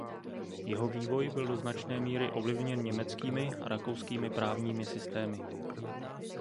Jeho vývoj byl do značné míry ovlivněn německými a rakouskými právními systémy.